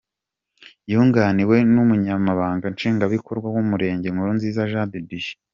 Yunganiwe n’Umunyamabanga Nshingwabikorwa w’umurenge Nkurunziza Jean de Dieu.